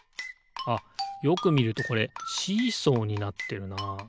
あっよくみるとこれシーソーになってるな。